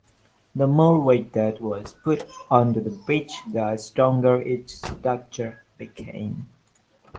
The more weight that was put onto the bridge, the stronger its structure became.